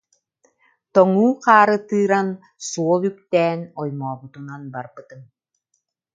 Тоҥуу хаары тыыран, суол үктээн оймообутунан барбытым